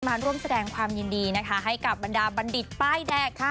มาร่วมแสดงความยินดีนะคะให้กับบรรดาบัณฑิตป้ายแดงค่ะ